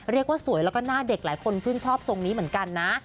เรียกว่าสวยแล้วก็หน้าเด็กหลายคนชื่นชอบทรงนี้เหมือนกันนะ